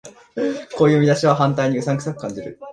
こういう見出しは反対にうさんくさく感じる